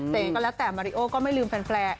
ก็แล้วแต่มาริโอก็ไม่ลืมแฟน